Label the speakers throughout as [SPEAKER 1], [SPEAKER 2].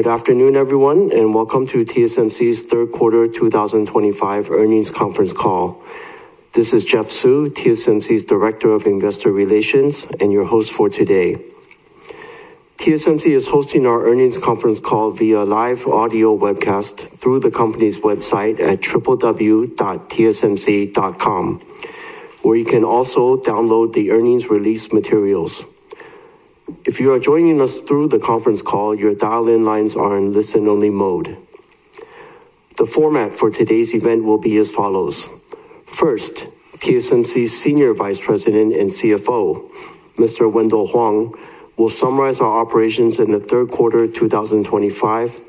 [SPEAKER 1] Good afternoon, everyone, and welcome to TSMC's Third Quarter 2025 Earnings Conference call. This is Jeff Su, TSMC's Director of Investor Relations and your host for today. TSMC is hosting our earnings conference call via live audio webcast through the company's website at www.tsmc.com, where you can also download the earnings release materials. If you are joining us through the conference call, your dial-in lines are in listen-only mode. The format for today's event will be as follows. First, TSMC's Senior Vice President and CFO, Mr. Wendell Huang, will summarize our operations in the third quarter 2025,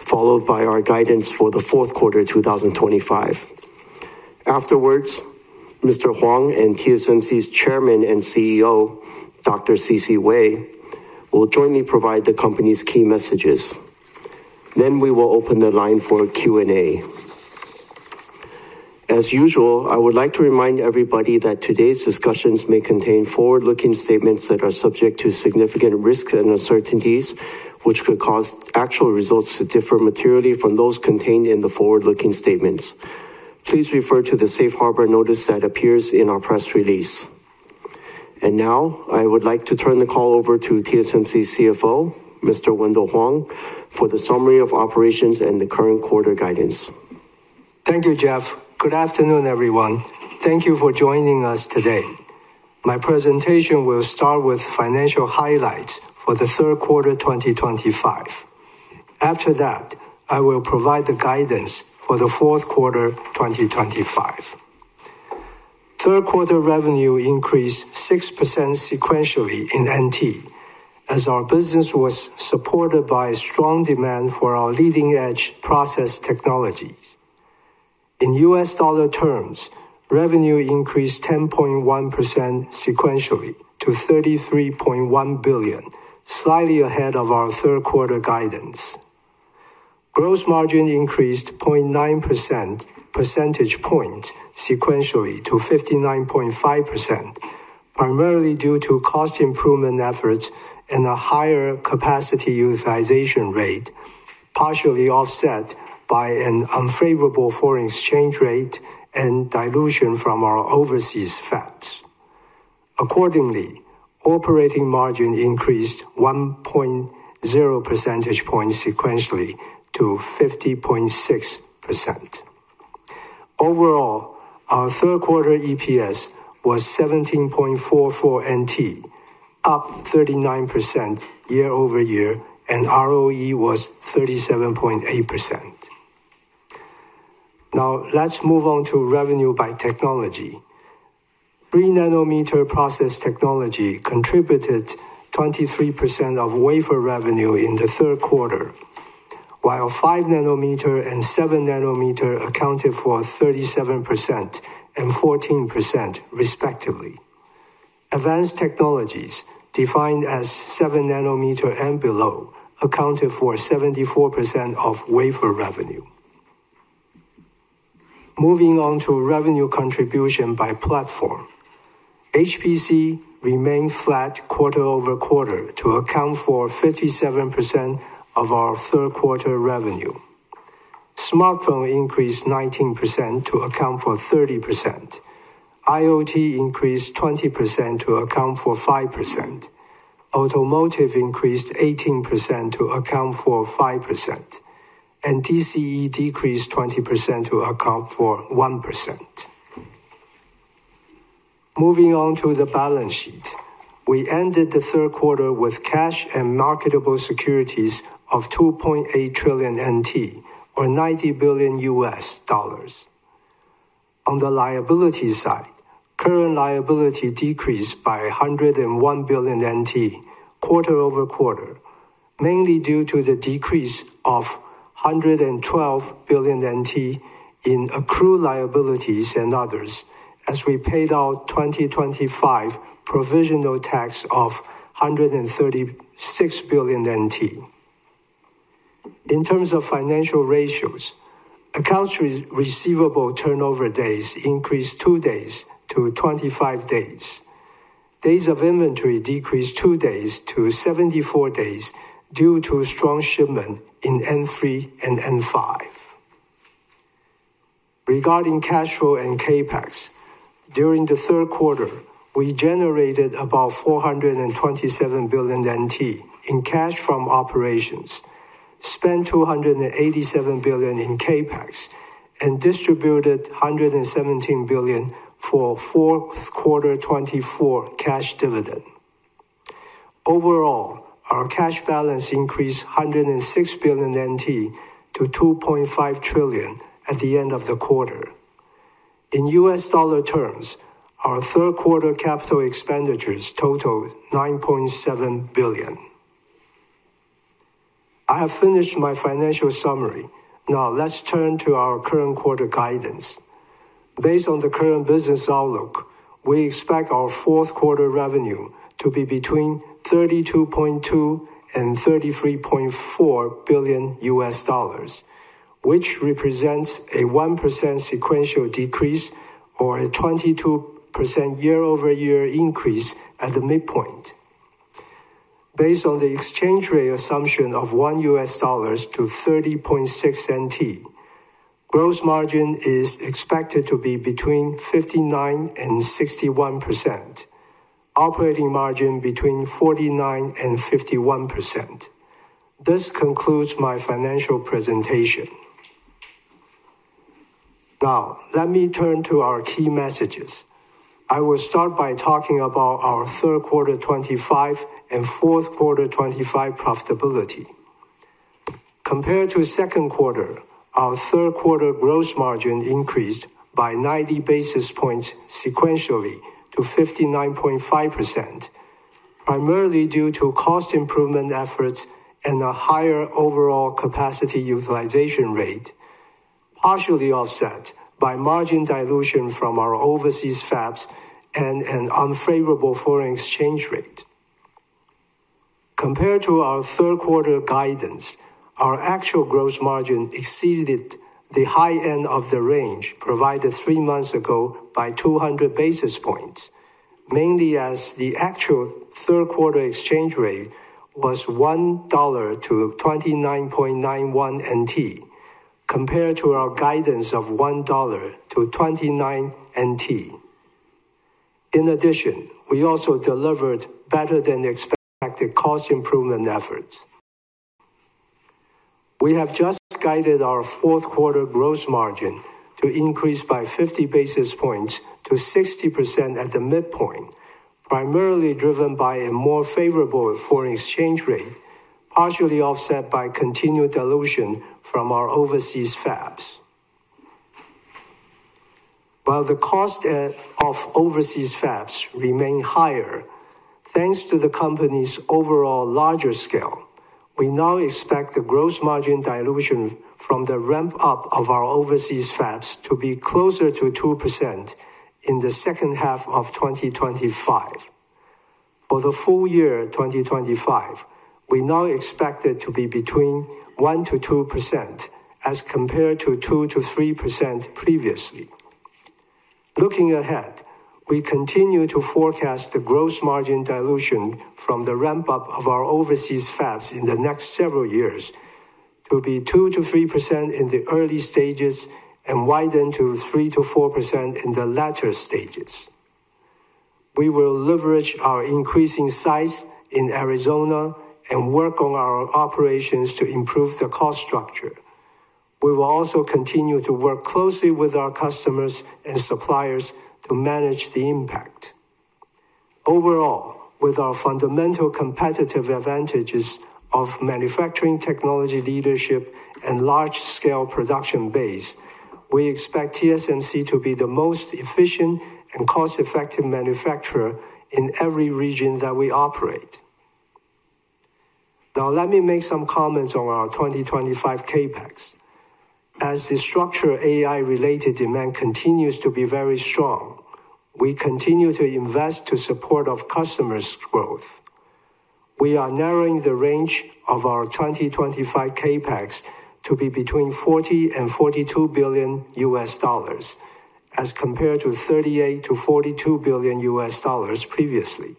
[SPEAKER 1] followed by our guidance for the fourth quarter 2025. Afterwards, Mr. Huang and TSMC's Chairman and CEO, Dr. C.C. Wei, will jointly provide the company's key messages. We will open the line for Q&A. As usual, I would like to remind everybody that today's discussions may contain forward-looking statements that are subject to significant risks and uncertainties, which could cause actual results to differ materially from those contained in the forward-looking statements. Please refer to the safe harbor notice that appears in our press release. I would like to turn the call over to TSMC CFO, Mr. Wendell Huang, for the summary of operations and the current quarter guidance.
[SPEAKER 2] Thank you, Jeff. Good afternoon, everyone. Thank you for joining us today. My presentation will start with financial highlights for the third quarter 2025. After that, I will provide the guidance for the fourth quarter 2025. Third quarter revenue increased 6% sequentially in NT, as our business was supported by a strong demand for our leading-edge process technologies. In U.S. dollar terms, revenue increased 10.1% sequentially to $33.1 billion, slightly ahead of our third quarter guidance. Gross margin increased 0.9% percentage point sequentially to 59.5%, primarily due to cost improvement efforts and a higher capacity utilization rate, partially offset by an unfavorable foreign exchange rate and dilution from our overseas fabs. Accordingly, operating margin increased 1.0 percentage point sequentially to 50.6%. Overall, our third quarter EPS was 17.44 NT, up 39% year-over-year, and ROE was 37.8%. Now, let's move on to revenue by technology. 3 nm process technology contributed 23% of wafer revenue in the third quarter, while 5 nm and 7 nm accounted for 37% and 14% respectively. Advanced Technologies defined as 7 nm and below accounted for 74% of wafer revenue. Moving on to revenue contribution by platform, HPC remained flat quarter-over-quarter to account for 57% of our third quarter revenue. Smartphone increased 19% to account for 30%. IoT increased 20% to account for 5%. Automotive increased 18% to account for 5%. DCE decreased 20% to account for 1%. Moving on to the balance sheet, we ended the third quarter with cash and marketable securities of 2.8 trillion NT, or $90 billion. On the liability side, current liability decreased by 101 billion NT, quarter-over-quarter, mainly due to the decrease of 112 billion NT in accrued liabilities and others, as we paid out 2025 provisional tax of 136 billion NT. In terms of financial ratios, accounts receivable turnover days increased two days to 25 days. Days of inventory decreased two days to 74 days due to strong shipment in N3 and N5. Regarding cash flow and CapEx, during the third quarter, we generated about 427 billion NT in cash from operations, spent 287 billion in CapEx, and distributed 117 billion for Q2 2024 cash dividend. Overall, our cash balance increased 106 billion NT to 2.5 trillion at the end of the quarter. In U.S. dollar terms, our third quarter capital expenditures totaled $9.7 billion. I have finished my financial summary. Now, let's turn to our current quarter guidance. Based on the current business outlook, we expect our fourth quarter revenue to be between $32.2 billion and $33.4 billion, which represents a 1% sequential decrease or a 22% year-over-year increase at the midpoint. Based on the exchange rate assumption of $1 to 30.6 NT, gross margin is expected to be between 59% and 61%. Operating margin between 49% and 51%. This concludes my financial presentation. Now, let me turn to our key messages. I will start by talking about our third quarter 2025 and fourth quarter 2025 profitability. Compared to the second quarter, our third quarter gross margin increased by 90 basis points sequentially to 59.5%, primarily due to cost improvement efforts and a higher overall capacity utilization rate, partially offset by margin dilution from our overseas fabs and an unfavorable foreign exchange rate. Compared to our third quarter guidance, our actual gross margin exceeded the high end of the range provided three months ago by 200 basis points, mainly as the actual third quarter exchange rate was $1 to 29.91 NT, compared to our guidance of $1 to 29 NT. In addition, we also delivered better than expected cost improvement efforts. We have just guided our fourth quarter gross margin to increase by 50 basis points to 60% at the midpoint, primarily driven by a more favorable foreign exchange rate, partially offset by continued dilution from our overseas fabs. While the cost of overseas fabs remains higher, thanks to the company's overall larger scale, we now expect the gross margin dilution from the ramp-up of our overseas fabs to be closer to 2% in the second half of 2025. For the full year 2025, we now expect it to be between 1%-2% as compared to 2%-3% previously. Looking ahead, we continue to forecast the gross margin dilution from the ramp-up of our overseas fabs in the next several years to be 2%-3% in the early stages and widen to 3%-4% in the latter stages. We will leverage our increasing size in Arizona and work on our operations to improve the cost structure. We will also continue to work closely with our customers and suppliers to manage the impact. Overall, with our fundamental competitive advantages of manufacturing technology leadership and large-scale production base, we expect TSMC to be the most efficient and cost-effective manufacturer in every region that we operate. Now, let me make some comments on our 2025 CapEx. As the structured AI-related demand continues to be very strong, we continue to invest to support our customers' growth. We are narrowing the range of our 2025 CapEx to be between $40 billion and $42 billion, as compared to $38 billion-$42 billion previously.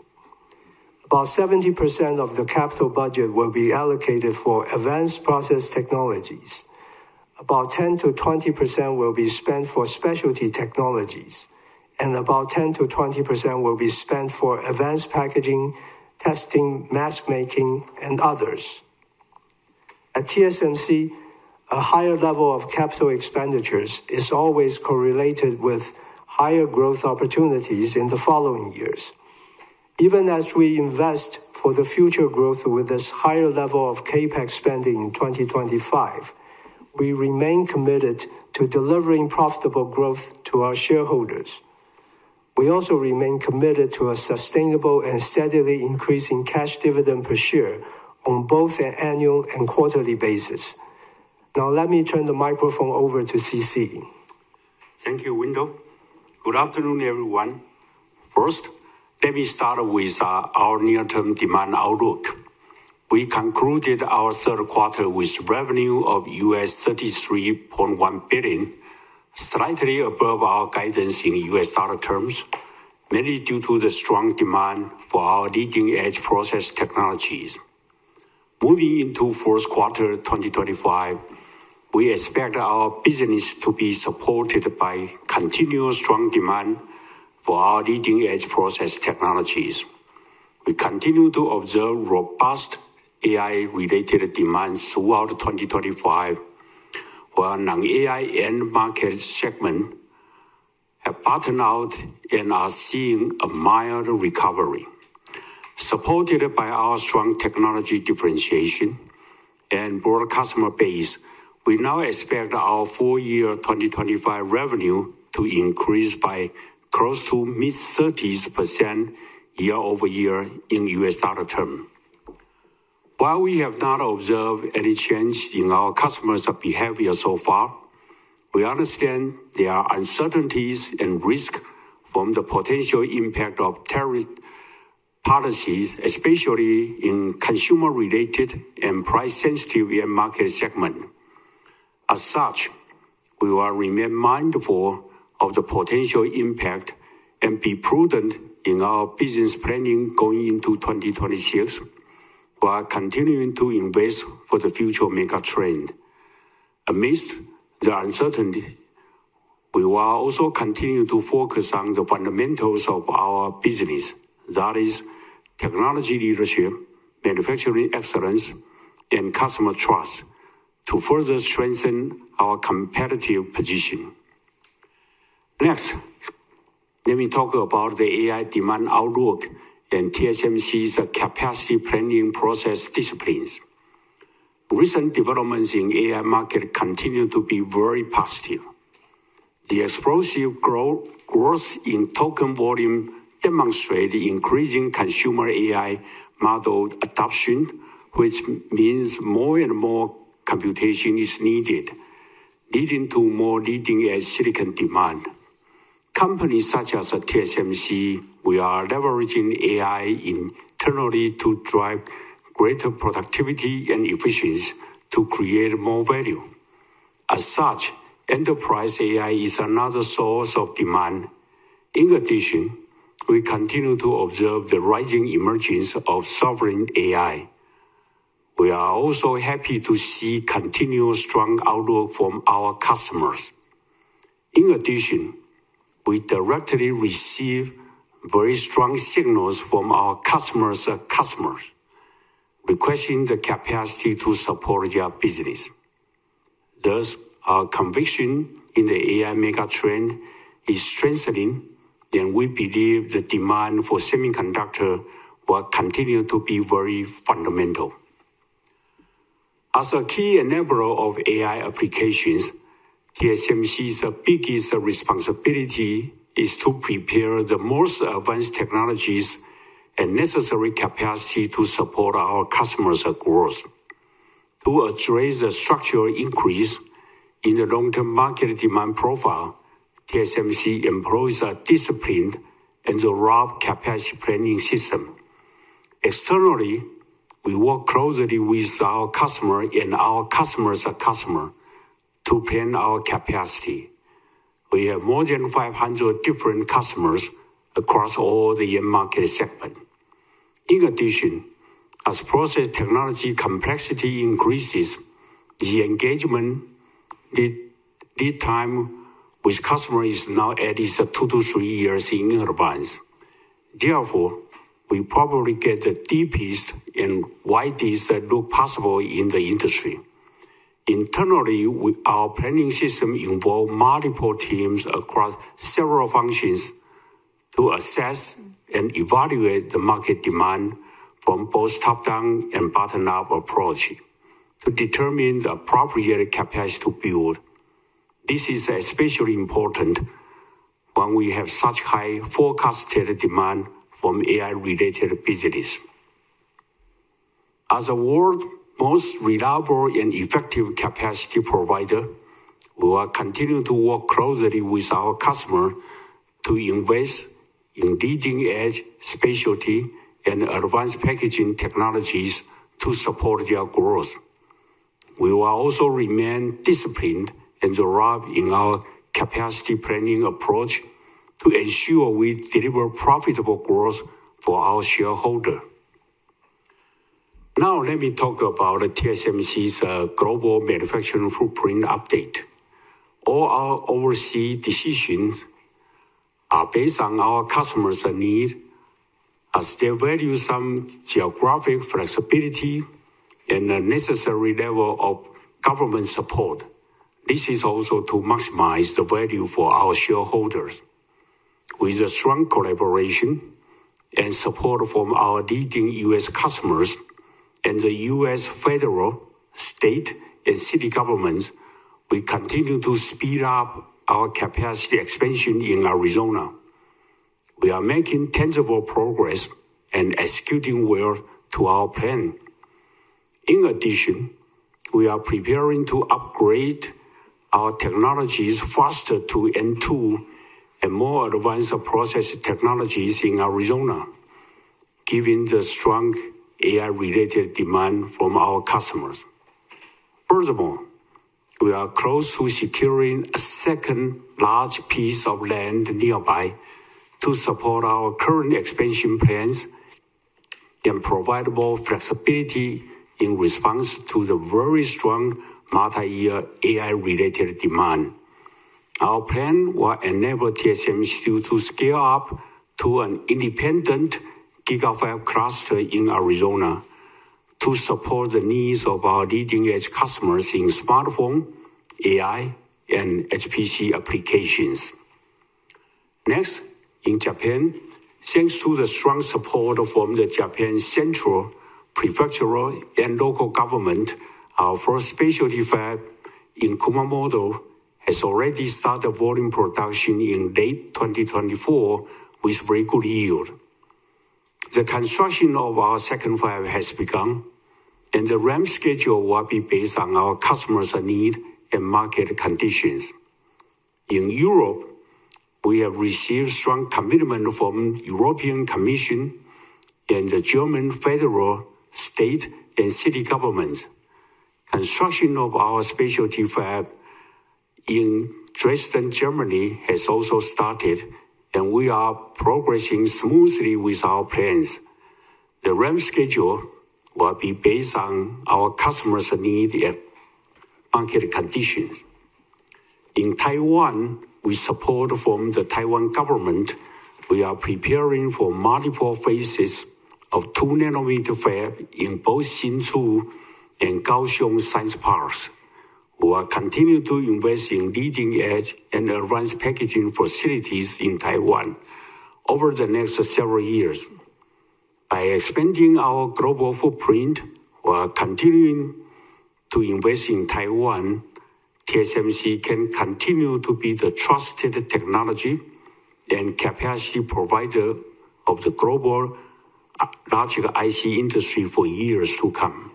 [SPEAKER 2] About 70% of the capital budget will be allocated for advanced process technologies. About 10%-20% will be spent for specialty technologies. About 10%-20% will be spent for advanced packaging, testing, mask making, and others. At TSMC, a higher level of capital expenditures is always correlated with higher growth opportunities in the following years. Even as we invest for the future growth with this higher level of CapEx spending in 2025, we remain committed to delivering profitable growth to our shareholders. We also remain committed to a sustainable and steadily increasing cash dividend per share on both an annual and quarterly basis. Now, let me turn the microphone over to C.C.
[SPEAKER 3] Thank you, Wendell. Good afternoon, everyone. First, let me start with our near-term demand outlook. We concluded our third quarter with revenue of $33.1 billion, slightly above our guidance in U.S. dollar terms, mainly due to the strong demand for our leading-edge process technologies. Moving into the fourth quarter 2025, we expect our business to be supported by continued strong demand for our leading-edge process technologies. We continue to observe robust AI-related demand throughout 2025, while the non-AI end market segment has patterned out and is seeing a mild recovery. Supported by our strong technology differentiation and broad customer base, we now expect our full-year 2025 revenue to increase by close to mid-30% year-over-year in U.S. dollar terms. While we have not observed any change in our customers' behavior so far, we understand there are uncertainties and risks from the potential impact of tariff policies, especially in the consumer-related and price-sensitive end market segments. As such, we will remain mindful of the potential impact and be prudent in our business planning going into 2026 while continuing to invest for the future megatrend. Amidst the uncertainty, we will also continue to focus on the fundamentals of our business, that is technology leadership, manufacturing excellence, and customer trust, to further strengthen our competitive position. Next, let me talk about the AI demand outlook and TSMC's capacity planning process disciplines. Recent developments in the AI market continue to be very positive. The explosive growth in token volume demonstrates increasing consumer AI model adoption, which means more and more computation is needed, leading to more leading-edge silicon demand. Companies such as TSMC are leveraging AI internally to drive greater productivity and efficiency to create more value. As such, enterprise AI is another source of demand. In addition, we continue to observe the rising emergence of sovereign AI. We are also happy to see continued strong outlook from our customers. In addition, we directly receive very strong signals from our customers' customers, requesting the capacity to support their business. Thus, our conviction in the AI megatrend is strengthening, and we believe the demand for semiconductors will continue to be very fundamental. As a key enabler of AI applications, TSMC's biggest responsibility is to prepare the most advanced technologies and necessary capacity to support our customers' growth. To address the structural increase in the long-term market demand profile, TSMC employs a disciplined and robust capacity planning system. Externally, we work closely with our customers and our customers' customers to plan our capacity. We have more than 500 different customers across all the end market segments. In addition, as process technology complexity increases, the engagement lead time with customers is now at least two to three years in advance. Therefore, we probably get the deepest and widest loop possible in the industry. Internally, our planning system involves multiple teams across several functions to assess and evaluate the market demand from both top-down and bottom-up approaches to determine the appropriate capacity to build. This is especially important when we have such high forecasted demand from AI-related businesses. As the world's most reliable and effective capacity provider, we will continue to work closely with our customers to invest in leading-edge specialty and advanced packaging technologies to support their growth. We will also remain disciplined and robust in our capacity planning approach to ensure we deliver profitable growth for our shareholders. Now, let me talk about TSMC's global manufacturing footprint update. All our overseas decisions are based on our customers' needs, as they value some geographic flexibility and the necessary level of government support. This is also to maximize the value for our shareholders. With a strong collaboration and support from our leading U.S. customers and the U.S. federal, state, and city governments, we continue to speed up our capacity expansion in Arizona. We are making tangible progress and executing well to our plan. In addition, we are preparing to upgrade our technologies faster to end-to-end and more advanced process technologies in Arizona, given the strong AI-related demand from our customers. Furthermore, we are close to securing a second large piece of land nearby to support our current expansion plans and provide more flexibility in response to the very strong multi-year AI-related demand. Our plan will enable TSMC to scale up to an independent gigafab cluster in Arizona to support the needs of our leading-edge customers in smartphone, AI, and HPC applications. Next, in Japan, thanks to the strong support from the Japan Central, Prefectural, and Local Government, our first specialty fab in Kumamoto has already started volume production in late 2024 with very good yield. The construction of our second fab has begun, and the ramp schedule will be based on our customers' needs and market conditions. In Europe, we have received strong commitment from the European Commission and the German federal, state, and city governments. Construction of our specialty fab in Dresden, Germany, has also started, and we are progressing smoothly with our plans. The ramp schedule will be based on our customers' needs and market conditions. In Taiwan, with support from the Taiwan government, we are preparing for multiple phases of 2 nm fab in both Xinchu and Kaohsiung Science Parks. We will continue to invest in leading-edge and advanced packaging facilities in Taiwan over the next several years. By expanding our global footprint while continuing to invest in Taiwan, TSMC can continue to be the trusted technology and capacity provider of the global logic IC industry for years to come.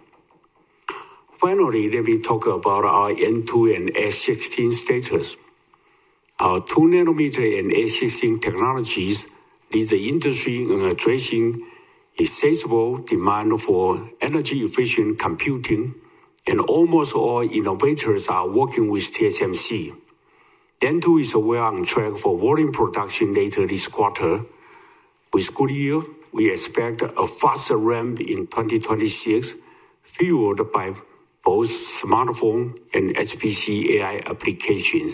[SPEAKER 3] Finally, let me talk about our N2 and S16 status. Our 2 nm and S16 technologies lead the industry in addressing insatiable demand for energy-efficient computing, and almost all innovators are working with TSMC. N2 is well on track for volume production later this quarter. With good yield, we expect a faster ramp in 2026, fueled by both smartphone and HPC AI applications.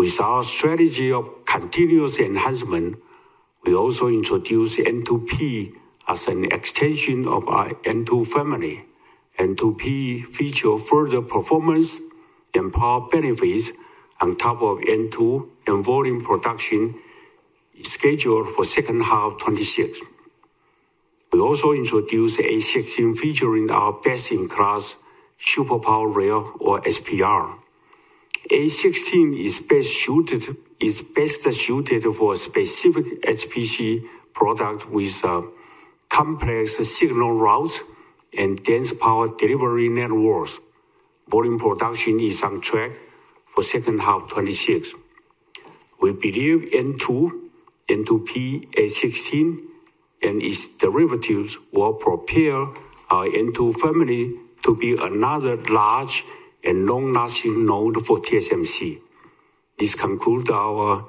[SPEAKER 3] With our strategy of continuous enhancement, we also introduce N2P as an extension of our N2 family. N2P features further performance and power benefits on top of N2 and volume production scheduled for the second half of 2026. We also introduced A16 featuring our best-in-class superpower rail, or SPR. A16 is best suited for a specific HPC product with a complex signal route and dense power delivery networks. Volume production is on track for the second half of 2026. We believe N2, N2P, A16, and its derivatives will propel our N2 family to be another large and long-lasting node for TSMC. This concludes our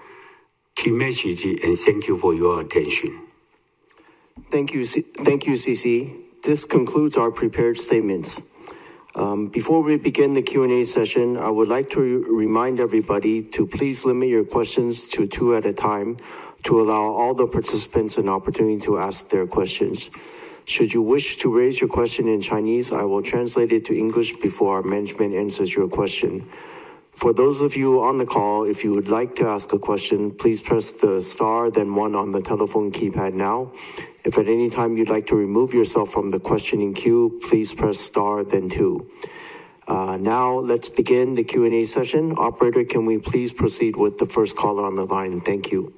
[SPEAKER 3] key message, and thank you for your attention.
[SPEAKER 1] Thank you, C.C. This concludes our prepared statements. Before we begin the Q&A session, I would like to remind everybody to please limit your questions to two at a time to allow all the participants an opportunity to ask their questions. Should you wish to raise your question in Chinese, I will translate it to English before our management answers your question. For those of you on the call, if you would like to ask a question, please press the star, then one on the telephone keypad now. If at any time you'd like to remove yourself from the questioning queue, please press star, then two. Now, let's begin the Q&A session. Operator, can we please proceed with the first caller on the line? Thank you.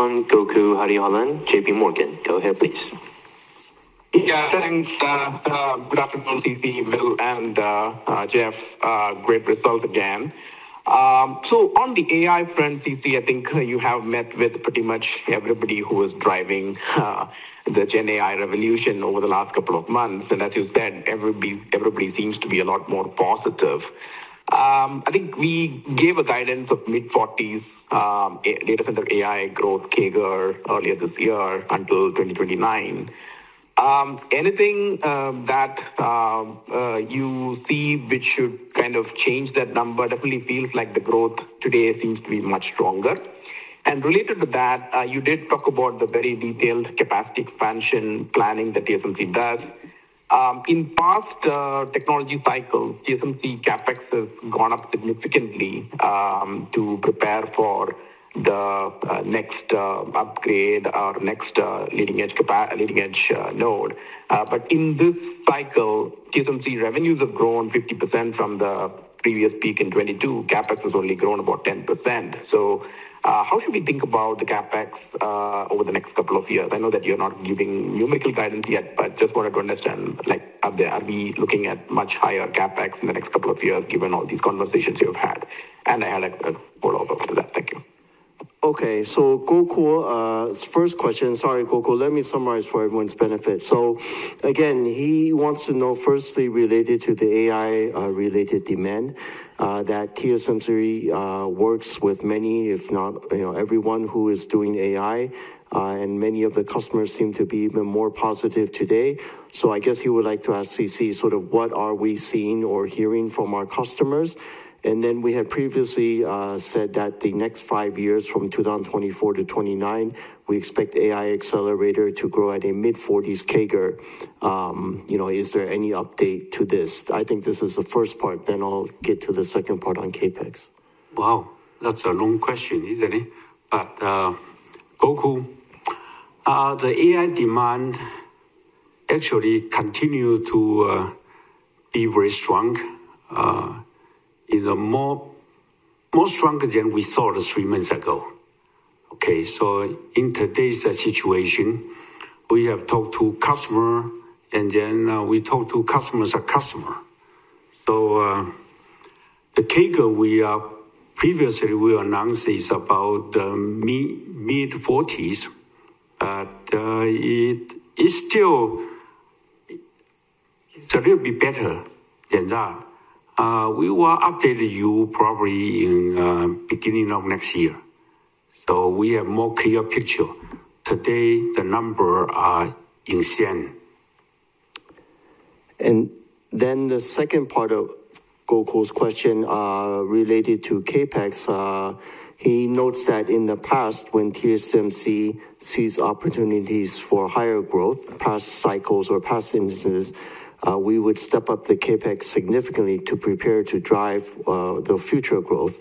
[SPEAKER 4] Yes. First one, Gokul Hariharan, JPMorgan. Go ahead, please.
[SPEAKER 5] Yeah, thanks. Good afternoon, C.C., Wendell, and Jeff. Great result again. On the AI front, C.C., I think you have met with pretty much everybody who is driving the Gen AI revolution over the last couple of months. As you said, everybody seems to be a lot more positive. I think we gave a guidance of mid-40% data center AI growth CAGR earlier this year until 2029. Anything that you see which should kind of change that number? It definitely feels like the growth today seems to be much stronger. Related to that, you did talk about the very detailed capacity expansion planning that TSMC does. In past technology cycles, TSMC CapEx has gone up significantly to prepare for the next upgrade or next leading-edge node. In this cycle, TSMC revenues have grown 50% from the previous peak in 2022. CapEx has only grown about 10%. How should we think about the CapEx over the next couple of years? I know that you're not giving numerical guidance yet, but I just wanted to understand, like are we looking at much higher CapEx in the next couple of years given all these conversations you've had? I had a follow-up after that. Thank you.
[SPEAKER 1] Okay. Gokul, first question. Sorry, Gokul. Let me summarize for everyone's benefit. Again, he wants to know firstly related to the AI-related demand that TSMC works with many, if not everyone, who is doing AI, and many of the customers seem to be even more positive today. I guess he would like to ask C.C., sort of what are we seeing or hearing from our customers? We had previously said that the next five years from 2024 to 2029, we expect AI accelerator to grow at a mid-40% CAGR. Is there any update to this? I think this is the first part. I'll get to the second part on CapEx.
[SPEAKER 3] Wow. That's a long question, isn't it? Gokul, the AI demand actually continues to be very strong. It's more strong than we thought three months ago. In today's situation, we have talked to customers, and then we talk to customers' customers. The CAGR we previously announced is about the mid-40%, but it's still a little bit better than that. We will update you probably in the beginning of next year. We have a more clear picture. Today, the numbers are incentive.
[SPEAKER 1] The second part of Gokul's question related to CapEx, he notes that in the past, when TSMC sees opportunities for higher growth, past cycles or past instances, we would step up the CapEx significantly to prepare to drive the future growth.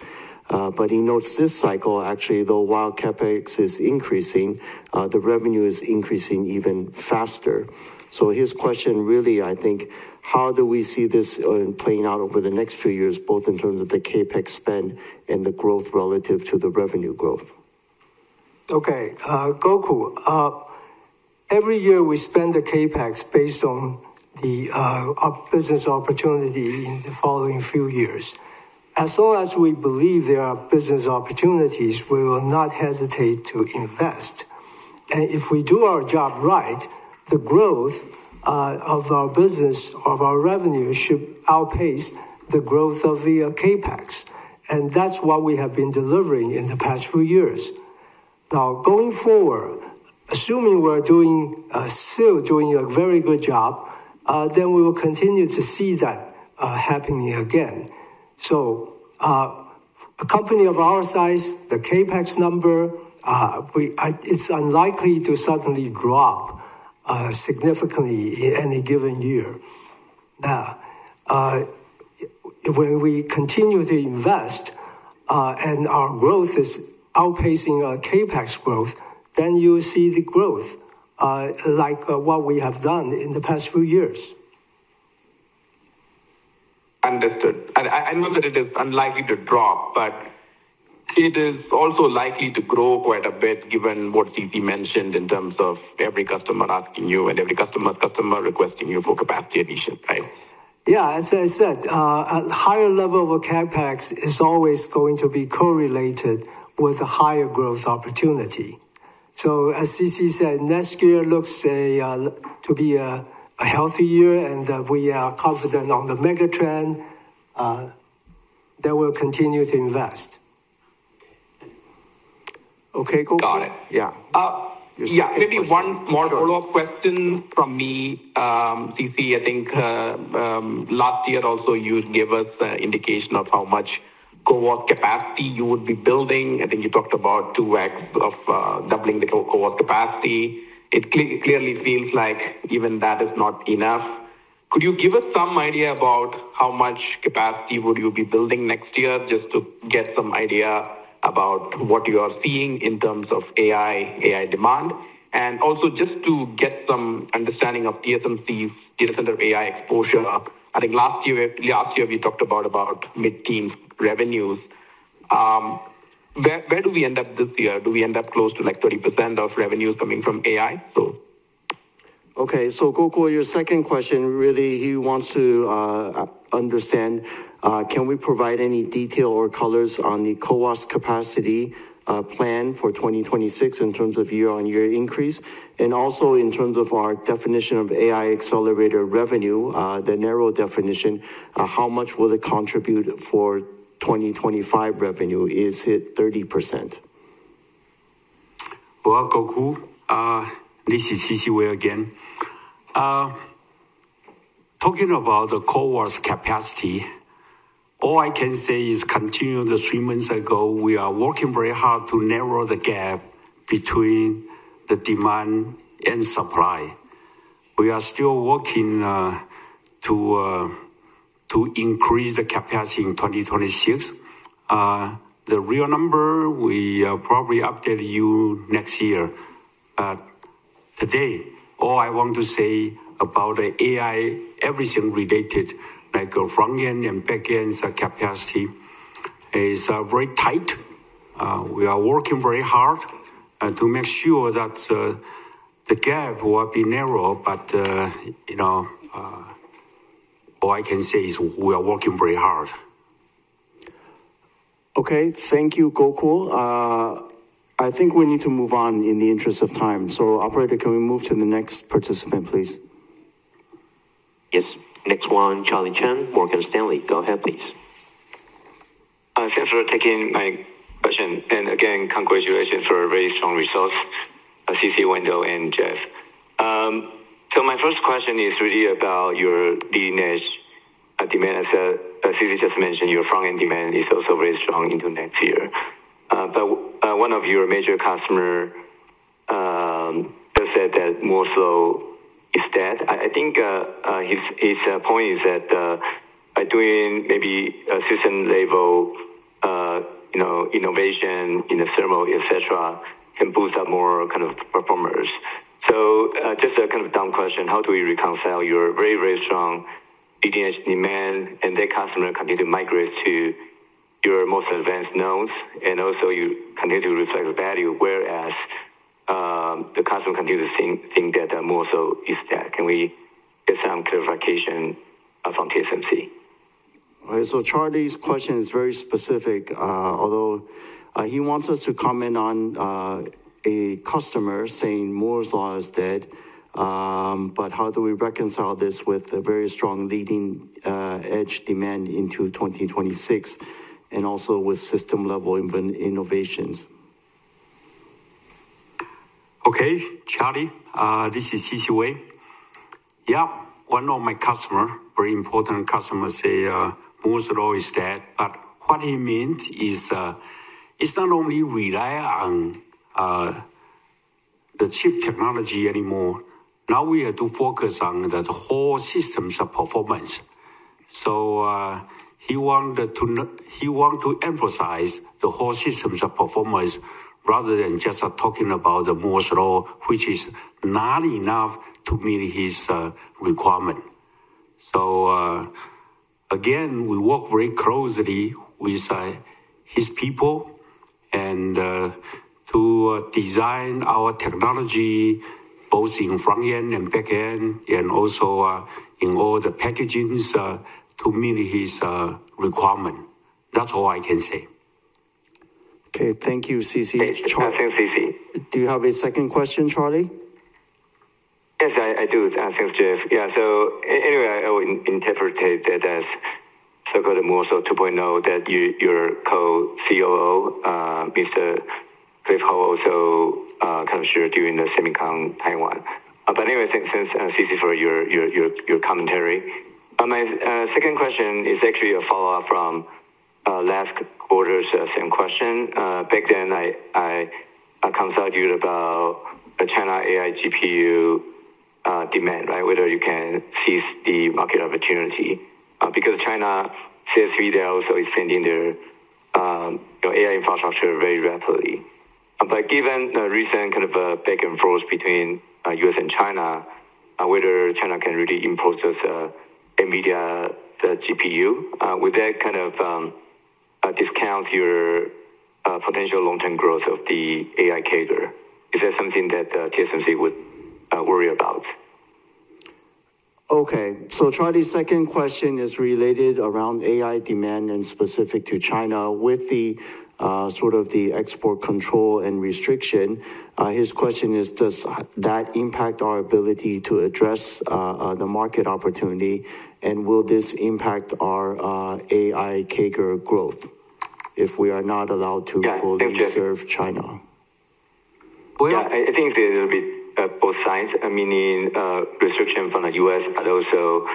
[SPEAKER 1] He notes this cycle, actually, though while CapEx is increasing, the revenue is increasing even faster. His question really, I think, is how do we see this playing out over the next few years, both in terms of the CapEx spend and the growth relative to the revenue growth?
[SPEAKER 2] Okay. Gokul, every year we spend the CapEx based on the business opportunity in the following few years. As long as we believe there are business opportunities, we will not hesitate to invest. If we do our job right, the growth of our business or of our revenue should outpace the growth of the CapEX. That is what we have been delivering in the past few years. Now, going forward, assuming we're still doing a very good job, we will continue to see that happening again. A company of our size, the CapEx number, it's unlikely to suddenly drop significantly in any given year. When we continue to invest and our growth is outpacing our CapEx growth, you'll see the growth like what we have done in the past few years.
[SPEAKER 5] Understood. I know that it is unlikely to drop, but it is also likely to grow quite a bit given what C.C. Wei mentioned in terms of every customer asking you and every customer's customer requesting you for capacity addition, right?
[SPEAKER 2] Yeah, as I said, a higher level of CapEx is always going to be correlated with a higher growth opportunity. As C.C. said, next year looks to be a healthy year and that we are confident on the megatrend, then we'll continue to invest.
[SPEAKER 5] Okay, got it. Yeah. Yeah, maybe one more follow-up question from me, C.C. I think last year also you gave us an indication of how much CoWoS capacity you would be building. I think you talked about 2x of doubling the CoWoS capacity. It clearly feels like even that is not enough. Could you give us some idea about how much capacity you would be building next year just to get some idea about what you are seeing in terms of AI demand? Also, just to get some understanding of TSMC's data center AI exposure, I think last year we talked about mid-teens revenues. Where do we end up this year? Do we end up close to like 30% of revenues coming from AI?
[SPEAKER 1] Okay. Gokul, your second question really, he wants to understand, can we provide any detail or colors on the CoWoS capacity plan for 2026 in terms of year-on-year increase? Also, in terms of our definition of AI accelerator revenue, the narrow definition, how much will it contribute for 2025 revenue? Is it 30%?
[SPEAKER 3] Gokul, this is C.C. Wei again. Talking about the CoWoS capacity, all I can say is continuing the three months ago, we are working very hard to narrow the gap between the demand and supply. We are still working to increase the capacity in 2026. The real number, we probably update you next year. Today, all I want to say about the AI, everything related, like the front-end and back-end capacity, is very tight. We are working very hard to make sure that the gap will be narrow, but all I can say is we are working very hard.
[SPEAKER 1] Okay. Thank you, Gokul. I think we need to move on in the interest of time. Operator, can we move to the next participant, please?
[SPEAKER 4] Yes. Next one, Charlie Chan, Morgan Stanley. Go ahead, please.
[SPEAKER 6] Thanks for taking my question. Again, congratulations for very strong results, C.C., Wendell, and Jeff. My first question is really about your leading-edge demand. As C.C. just mentioned, your front-end demand is also very strong into next year. One of your major customers just said that more so is that. I think his point is that by doing maybe system-level innovation in the thermal, etc., can boost up more kind of performers. Just a kind of dumb question. How do we reconcile your very, very strong leading-edge demand and that customer continue to migrate to your most advanced nodes and also you continue to reflect value, whereas the customer continues to think that more so is that? Can we get some clarification from TSMC?
[SPEAKER 1] All right. Charlie's question is very specific, although he wants us to comment on a customer saying more so is that. How do we reconcile this with a very strong leading-edge demand into 2026 and also with system-level innovations?
[SPEAKER 3] Okay. Charlie, this is C.C. Wei. Yeah, one of my customers, very important customer, say more so is that. What he means is it's not only relying on the chip technology anymore. Now we have to focus on the whole system's performance. He wants to emphasize the whole system's performance rather than just talking about the more so, which is not enough to meet his requirement. We work very closely with his people to design our technology, both in front-end and back-end, and also in all the packagings to meet his requirement. That's all I can say.
[SPEAKER 1] Okay. Thank you, C.C.
[SPEAKER 3] Sure.
[SPEAKER 6] Thanks, CC.
[SPEAKER 1] Do you have a second question, Charlie?
[SPEAKER 6] Yes, I do. Thanks, Jeff. I would interpret that as Foundry 2.0, that your co-COO, Mr. Cliff, also kind of shared during the SEMICON Taiwan. Thanks, C.C., for your commentary. My second question is actually a follow-up from last quarter's same question. Back then, I consulted you about the China AI GPU demand, right? Whether you can seize the market opportunity because China says VDL is setting their AI infrastructure very rapidly. Given the recent kind of back and forth between the U.S. and China, whether China can really impose this NVIDIA GPU, would that kind of discount your potential long-term growth of the AI CAGR? Is that something that TSMC would worry about?
[SPEAKER 1] Okay. Charlie's second question is related around AI demand and specific to China. With the sort of the export control and restriction, his question is, does that impact our ability to address the market opportunity? Will this impact our AI CAGR growth if we're not allowed to fully serve China?
[SPEAKER 6] I think there will be both sides, meaning restriction from the U.S., but also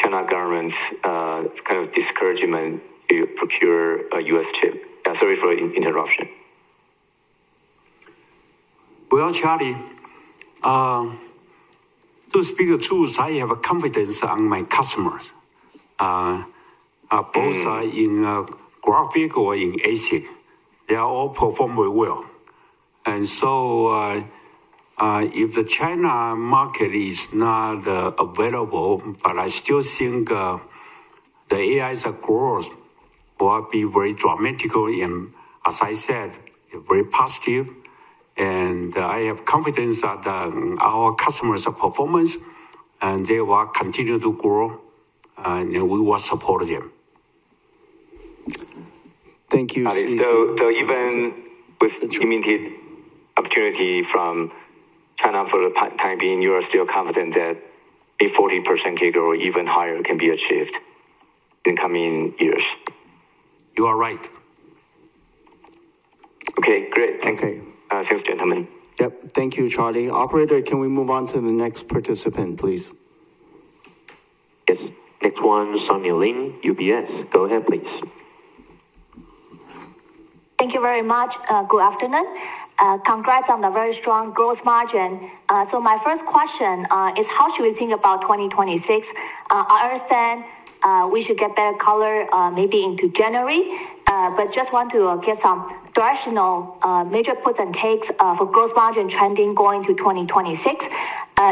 [SPEAKER 6] China government's kind of discouragement to procure a U.S. chip. Sorry for the interruption.
[SPEAKER 3] Charlie, to speak the truth, I have a confidence in my customers. Both are in GPU or in ASIC. They all perform very well. If the China market is not available, I still think the AI's growth will be very dramatic and, as I said, very positive. I have confidence that our customers' performance and they will continue to grow, and we will support them.
[SPEAKER 1] Thank you, C.C.
[SPEAKER 6] Even with a limited opportunity from China for the time being, you are still confident that a 40% CAGR or even higher can be achieved in the coming years?
[SPEAKER 3] You are right.
[SPEAKER 6] Okay, great. Thank you. Okay. Thanks, gentlemen.
[SPEAKER 1] Thank you, Charlie. Operator, can we move on to the next participant, please?
[SPEAKER 4] Yes. Next one, Sunny Lin, UBS. Go ahead, please.
[SPEAKER 7] Thank you very much. Good afternoon. Congrats on the very strong gross margin. My first question is, how should we think about 2026? I understand we should get better color maybe into January, but just want to get some directional major puts and takes for gross margin trending going into 2026.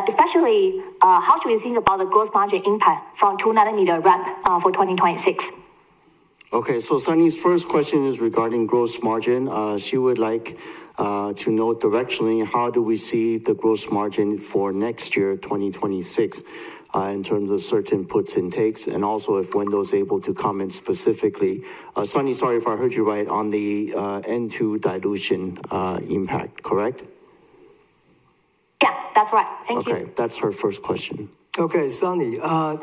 [SPEAKER 7] Especially, how should we think about the gross margin impact from 2 nm ramp for 2026?
[SPEAKER 1] Okay. Sonya's first question is regarding gross margin. She would like to know directionally how do we see the gross margin for next year, 2026, in terms of certain puts and takes, and also if Wendell is able to comment specifically. Sunni, sorry if I heard you right, on the N2 dilution impact, correct?
[SPEAKER 7] Yeah, that's right. Thank you.
[SPEAKER 1] Okay. That's her first question.
[SPEAKER 2] Okay, Sunni. Yeah,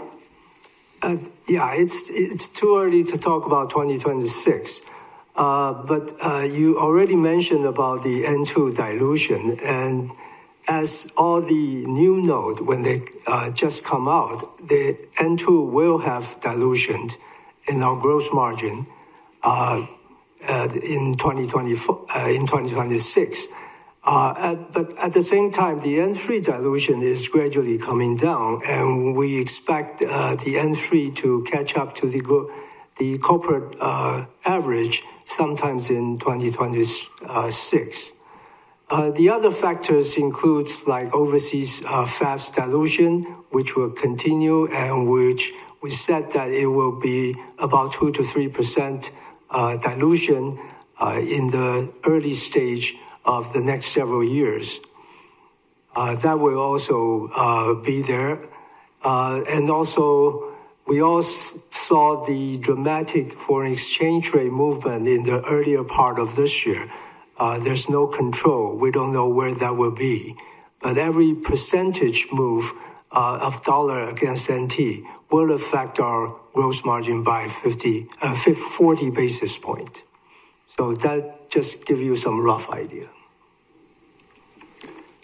[SPEAKER 2] it's too early to talk about 2026. You already mentioned about the N2 dilution. As all the new nodes, when they just come out, the N2 will have dilution in our gross margin in 2026. At the same time, the N3 dilution is gradually coming down. We expect the N3 to catch up to the corporate average sometime in 2026. The other factors include overseas fabs dilution, which will continue, and which we said that it will be about 2%-3% dilution in the early stage of the next several years. That will also be there. We all saw the dramatic foreign exchange rate movement in the earlier part of this year. There's no control. We don't know where that will be. Every percentage move of dollar against TWD will affect our gross margin by 40 basis points. That just gives you some rough idea.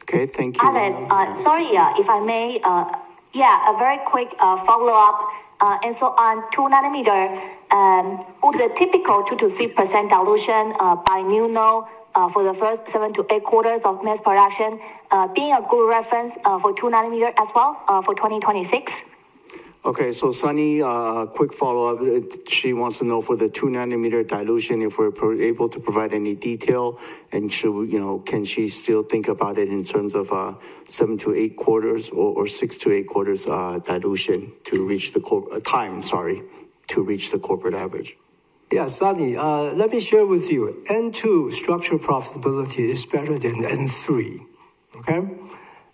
[SPEAKER 1] Okay, thank you.
[SPEAKER 7] Got it. Sunni, if I may, a very quick follow-up. On 2 nm, would the typical 2%-3% dilution by new node for the first seven to eight quarters of mass production be a good reference for two-nanometer as well for 2026?
[SPEAKER 1] Okay. Sunni, a quick follow-up. She wants to know for the 2 nm dilution if we're able to provide any detail. Can she still think about it in terms of seven to eight quarters or six to eight quarters dilution to reach the time, sorry, to reach the corporate average?
[SPEAKER 2] Yeah, Sunni, let me share with you. N2 structure profitability is better than N3.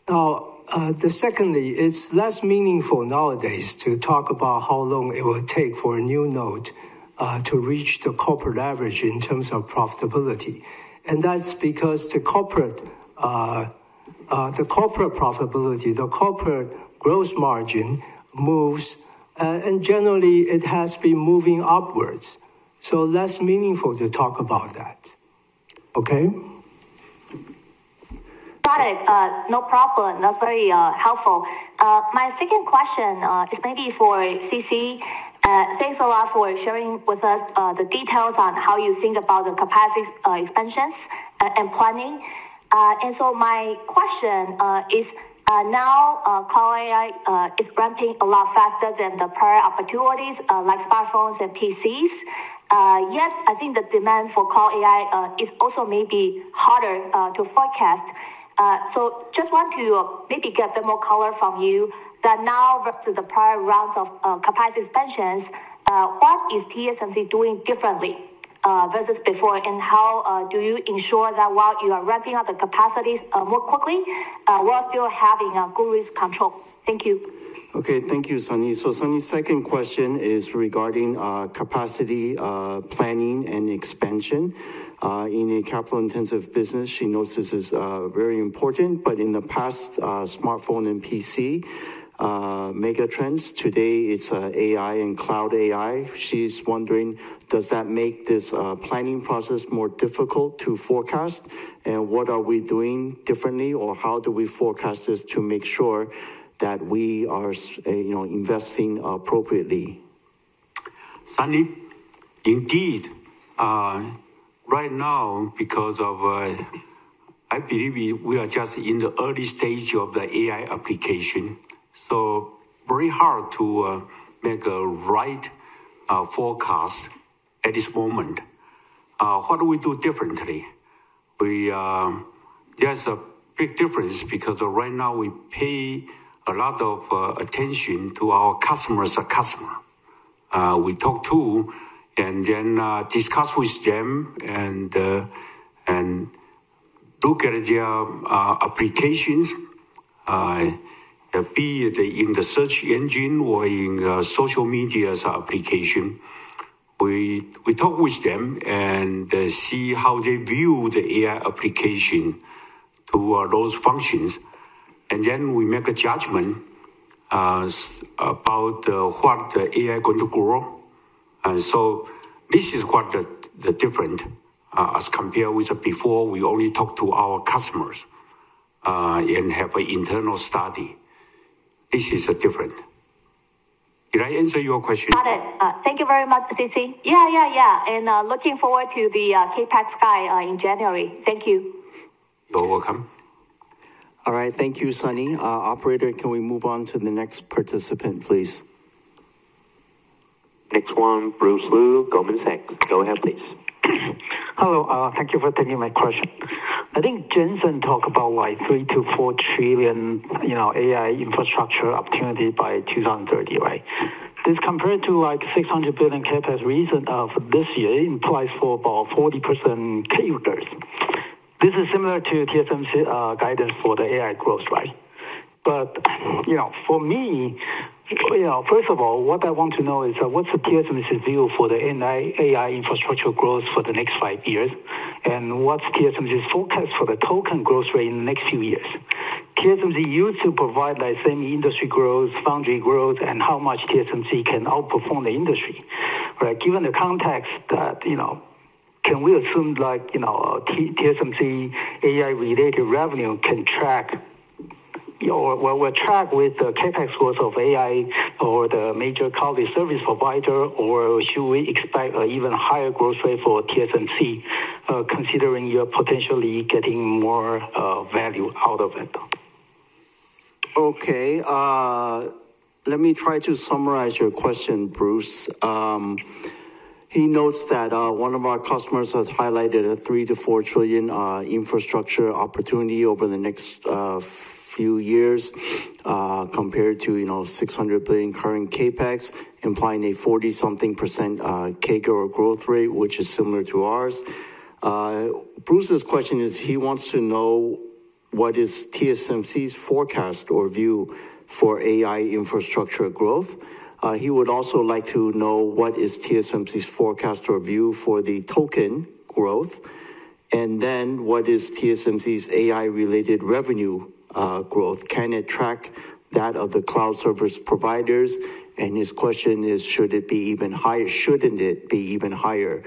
[SPEAKER 2] Now, secondly, it's less meaningful nowadays to talk about how long it will take for a new node to reach the corporate average in terms of profitability. That's because the corporate profitability, the corporate gross margin moves, and generally, it has been moving upwards. Less meaningful to talk about that.
[SPEAKER 7] Got it. No problem. That's very helpful. My second question is maybe for C.C. Thanks a lot for sharing with us the details on how you think about the capacity expansions and planning. My question is, now Cloud AI is ramping a lot faster than the prior opportunities like smartphones and PCs. I think the demand for Cloud AI is also maybe harder to forecast. I just want to maybe get a bit more color from you. Compared to the prior rounds of capacity expansions, what is TSMC doing differently versus before? How do you ensure that while you are ramping up the capacities more quickly, you are still having a good risk control? Thank you.
[SPEAKER 1] Thank you, Sunni. Sonia's second question is regarding capacity planning and expansion in a capital-intensive business. She notes this is very important. In the past, smartphone and PC megatrends, today it's AI and Cloud AI. She's wondering, does that make this planning process more difficult to forecast? What are we doing differently? How do we forecast this to make sure that we are investing appropriately?
[SPEAKER 3] Sunni, indeed, right now, because I believe we are just in the early stage of the AI application, it is very hard to make a right forecast at this moment. What do we do differently? There's a big difference because right now we pay a lot of attention to our customers' customers. We talk to and then discuss with them and look at their applications, be it in the search engine or in social media applications. We talk with them and see how they view the AI application to those functions. Then we make a judgment about what the AI is going to grow. This is quite different as compared with before. We only talked to our customers and had an internal study. This is different. Did I answer your question?
[SPEAKER 7] Got it. Thank you very much, C.C. Yeah, and looking forward to the [KPAC sky] in January. Thank you.
[SPEAKER 3] You're welcome.
[SPEAKER 1] All right. Thank you, Sunni. Operator, can we move on to the next participant, please?
[SPEAKER 4] Next one, Bruce Lu, Goldman Sachs. Go ahead, please.
[SPEAKER 8] Hello. Thank you for taking my question. I think Jensen talked about like $3 trillion-$4 trillion AI infrastructure opportunities by 2030, right? This compared to like $600 billion CapEx recent of this year implies for about 40% CAGR. This is similar to TSMC guidance for the AI growth, right? For me, first of all, what I want to know is what's the TSMC view for the AI infrastructure growth for the next five years? What's TSMC's forecast for the token growth rate in the next few years? TSMC used to provide the same industry growth, foundry growth, and how much TSMC can outperform the industry, right? Given the context, can we assume like TSMC AI-related revenue can track or will track with the CapEx growth of AI or the major cloud service provider? Should we expect an even higher growth rate for TSMC, considering you're potentially getting more value out of it?
[SPEAKER 1] Okay. Let me try to summarize your question, Bruce. He notes that one of our customers has highlighted a $3 trillion-$4 trillion infrastructure opportunity over the next few years compared to $600 billion current CapEx, implying a 40-something % CAGR growth rate, which is similar to ours. Bruce's question is he wants to know what is TSMC's forecast or view for AI infrastructure growth. He would also like to know what is TSMC's forecast or view for the token growth? What is TSMC's AI-related revenue growth? Can it track that of the cloud service providers? His question is, should it be even higher? Shouldn't it be even higher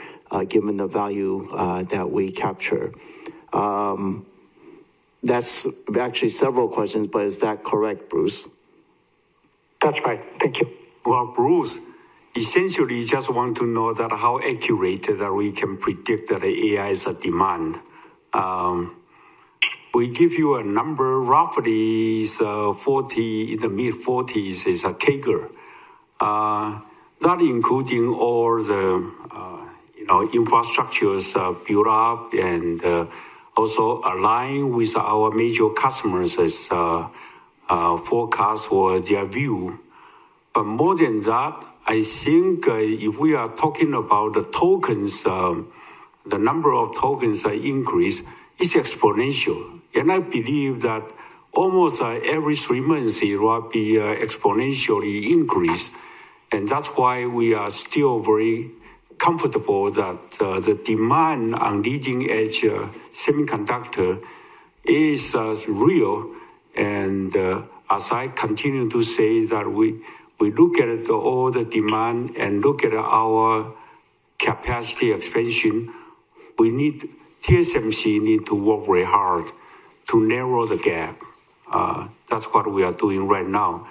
[SPEAKER 1] given the value that we capture? That's actually several questions, but is that correct, Bruce?
[SPEAKER 8] That's right. Thank you.
[SPEAKER 3] Bruce, essentially just want to know how accurate that we can predict that the AI is in demand. We give you a number, roughly 40% in the mid-40s is a CAGR, not including all the infrastructures built up and also aligned with our major customers' forecasts or their view. More than that, I think if we are talking about the tokens, the number of tokens increase, it's exponential. I believe that almost every three months, it will be exponentially increased. That's why we are still very comfortable that the demand on leading-edge semiconductors is real. As I continue to say, we look at all the demand and look at our capacity expansion, we need TSMC to work very hard to narrow the gap. That's what we are doing right now.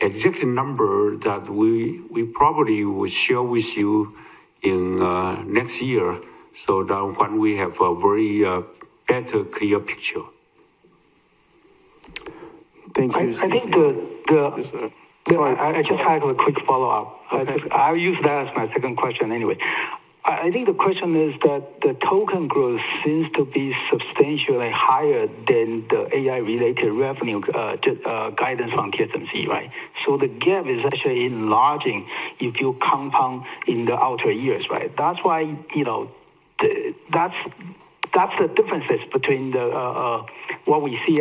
[SPEAKER 3] Exactly the number that we probably will share with you in next year so that when we have a very better clear picture.
[SPEAKER 1] Thank you, C.C.
[SPEAKER 8] I think the question is that the token growth seems to be substantially higher than the AI-related revenue guidance from TSMC, right? The gap is actually enlarging if you compound in the outer years, right? That's why that's the difference between what we see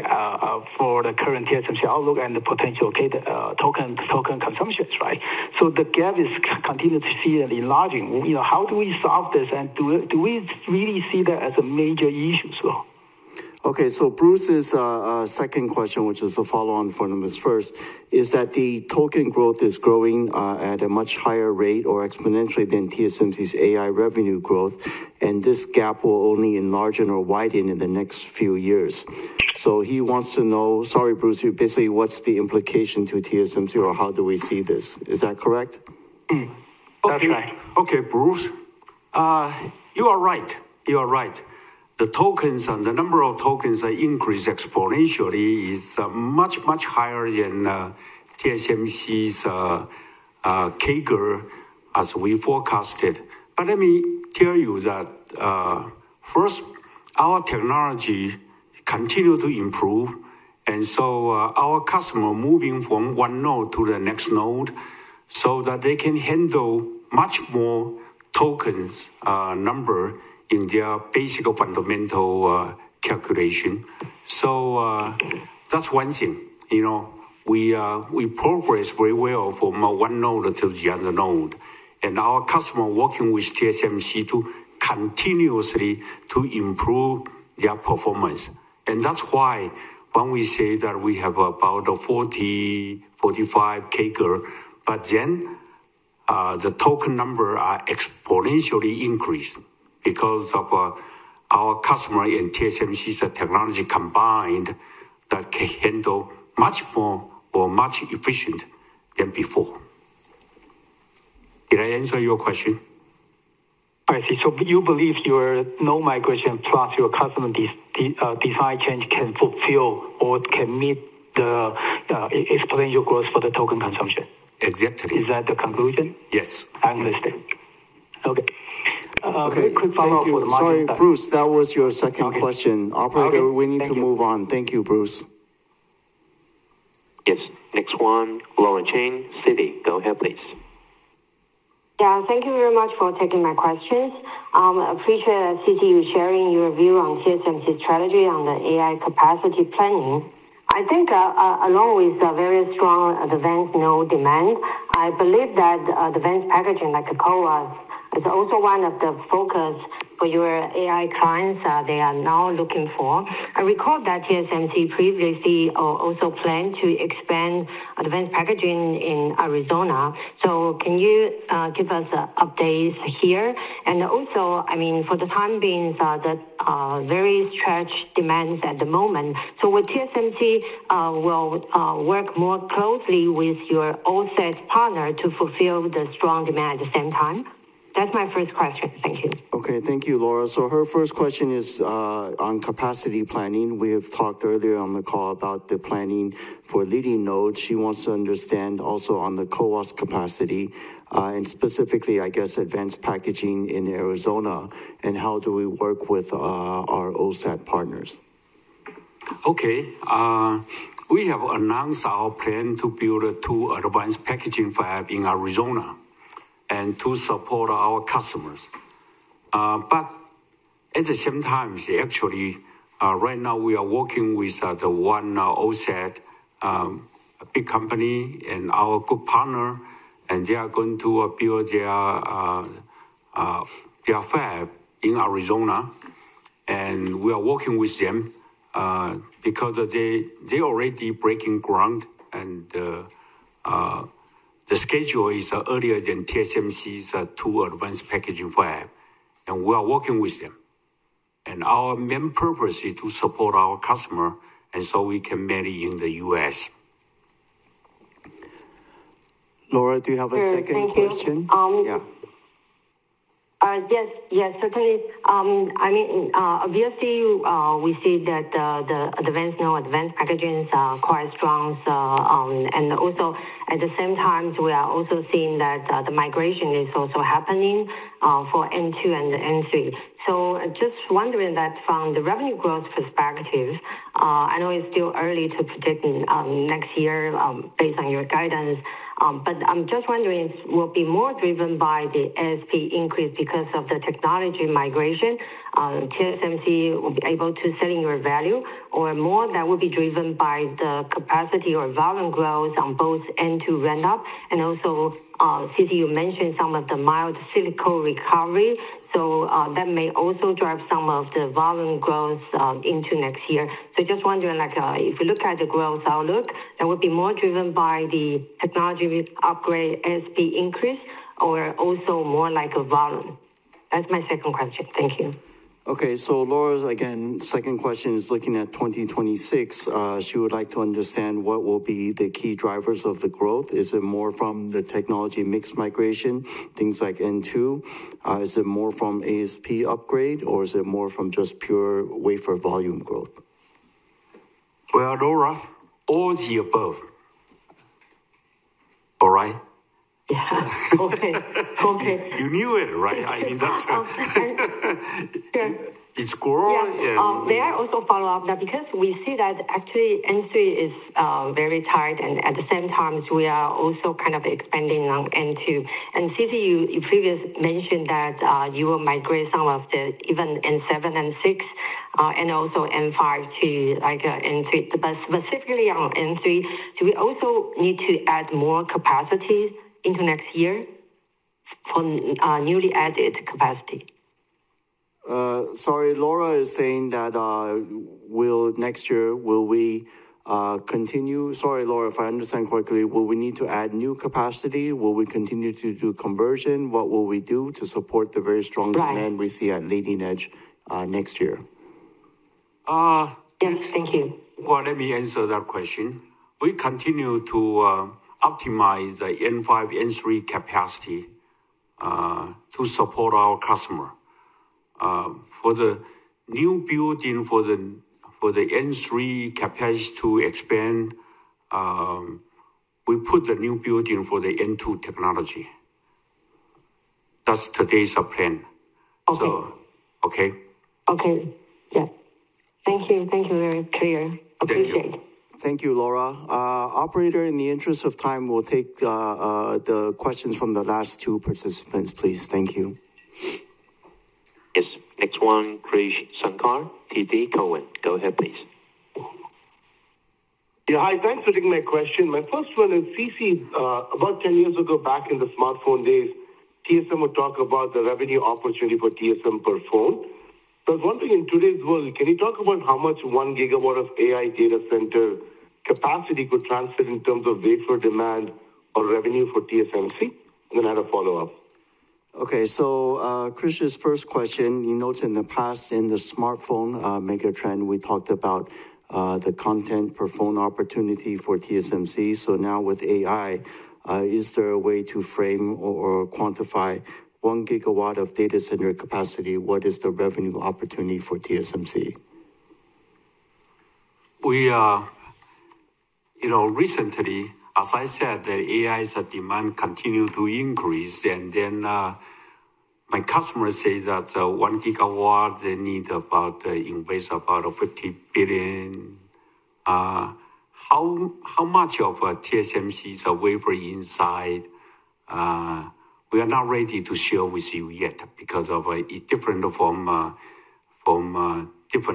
[SPEAKER 8] for the current TSMC outlook and the potential token consumptions, right? The gap is continuing to see an enlarging. How do we solve this? Do we really see that as a major issue as well?
[SPEAKER 1] Okay. Bruce's second question, which is a follow-on from his first, is that the token growth is growing at a much higher rate or exponentially than TSMC's AI revenue growth. This gap will only widen in the next few years. He wants to know, Bruce, basically, what's the implication to TSMC or how do we see this? Is that correct?
[SPEAKER 3] Okay. Okay, Bruce. You are right. You are right. The tokens and the number of tokens that increase exponentially is much, much higher than TSMC's CAGR as we forecasted. Let me tell you that first, our technology continues to improve. Our customer is moving from one node to the next node so that they can handle much more tokens' number in their basic fundamental calculation. That's one thing. You know we progress very well from one node to the other node. Our customer is working with TSMC to continuously improve their performance. That's why when we say that we have about 40%, 45% CAGR, the token number exponentially increases because of our customer and TSMC's technology combined that can handle much more or much efficiently than before. Did I answer your question?
[SPEAKER 8] I see. You believe your node migration plus your customer design change can fulfill or can meet the exponential growth for the token consumption?
[SPEAKER 3] Exactly.
[SPEAKER 8] Is that the conclusion?
[SPEAKER 3] Yes.
[SPEAKER 8] I understand. Okay. Quick follow-up for the market.
[SPEAKER 1] Bruce, that was your second question. Operator, we need to move on. Thank you, Bruce.
[SPEAKER 4] Yes. Next one, Laura Chen, Citi. Go ahead, please.
[SPEAKER 9] Yeah. Thank you very much for taking my questions. I appreciate C.C. sharing your view on TSMC's strategy on the AI capacity planning. I think along with the very strong advanced node demand, I believe that advanced packaging like CoWoS is also one of the focuses for your AI clients they are now looking for. I recall that TSMC previously also planned to expand advanced packaging in Arizona. Can you give us updates here? Also, for the time being, the very stretched demands at the moment, would TSMC work more closely with your OSAT partner to fulfill the strong demand at the same time? That's my first question. Thank you.
[SPEAKER 1] Thank you, Lora. Her first question is on capacity planning. We have talked earlier on the call about the planning for leading nodes. She wants to understand also on the cohort capacity, and specifically, I guess, advanced packaging in Arizona. How do we work with our all-set partners?
[SPEAKER 3] Okay. We have announced our plan to build two advanced packaging fabs in Arizona to support our customers. At the same time, right now we are working with one all-set big company and our good partner, and they are going to build their fab in Arizona. We are working with them because they are already breaking ground, and the schedule is earlier than TSMC's two advanced packaging fabs. We are working with them. Our main purpose is to support our customers, so we can marry in the U.S.
[SPEAKER 1] Laura, do you have a second question?
[SPEAKER 9] Yes, yes, certainly. I mean, obviously, we see that the advanced node, advanced packaging is quite strong. Also, at the same time, we are also seeing that the migration is also happening for N2 and N3. Just wondering, from the revenue growth perspective, I know it's still early to predict next year based on your guidance. I'm just wondering, will it be more driven by the ASP increase because of the technology migration? TSMC will be able to sell in your value or more that will be driven by the capacity or volume growth on both N2 ramp-up? Also, C.C, you mentioned some of the mild silico recovery. That may also drive some of the volume growth into next year. Just wondering, if you look at the growth outlook, would that be more driven by the technology upgrade ASP increase or also more like a volume? That's my second question. Thank you.
[SPEAKER 1] Okay. Laura's, again, second question is looking at 2026. She would like to understand what will be the key drivers of the growth. Is it more from the technology mix migration, things like N2? Is it more from ASP upgrade, or is it more from just pure wafer volume growth?
[SPEAKER 3] Laura, all the above. All right?
[SPEAKER 9] Okay. Okay.
[SPEAKER 3] You knew it, right? I mean, that's it. It's growing.
[SPEAKER 9] Yeah. There are also follow-ups because we see that actually N3 is very tight. At the same time, we are also kind of expanding on N2. C.C., you previously mentioned that you will migrate some of the even N7, N6, and also N5 to like N3. Specifically on N3, do we also need to add more capacity into next year for newly added capacity?
[SPEAKER 1] Laura, if I understand correctly, will we need to add new capacity? Will we continue to do conversion? What will we do to support the very strong demand we see at leading edge next year?
[SPEAKER 9] Yes, thank you.
[SPEAKER 2] Let me answer that question. We continue to optimize the N5, N3 capacity to support our customer. For the new building for the N3 capacity to expand, we put the new building for the N2 technology. That's today's plan.
[SPEAKER 9] Okay.
[SPEAKER 2] Okay?
[SPEAKER 9] Okay. Thank you. Thank you. Very clear.
[SPEAKER 2] Thank you.
[SPEAKER 1] Thank you, Laura. Operator, in the interest of time, we'll take the questions from the last two participants, please. Thank you.
[SPEAKER 4] Yes. Next one, Krish Sankar, TD Cowen. Go ahead, please.
[SPEAKER 10] Yeah, hi. Thanks for taking my question. My first one is C.C. About 10 years ago, back in the smartphone days, TSMC would talk about the revenue opportunity for TSMC per phone. I was wondering, in today's world, can you talk about how much one gigawatt of AI data center capacity could translate in terms of wafer demand or revenue for TSMC? I have a follow-up.
[SPEAKER 1] Okay. Krish's first question, you noted in the past in the smartphone megatrend, we talked about the content per phone opportunity for TSMC. Now with AI, is there a way to frame or quantify one gigawatt of data center capacity? What is the revenue opportunity for TSMC?
[SPEAKER 3] Recently, as I said, the AI demand continues to increase. My customers say that 1 GW, they need to invest about $50 billion. How much of TSMC is a wafer inside? We are not ready to share with you yet because of different